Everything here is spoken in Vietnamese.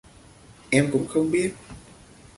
Em cũng không biết